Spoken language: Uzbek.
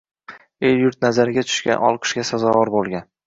El-yurt nazariga tushgan, olqishga sazovor bo‘lgan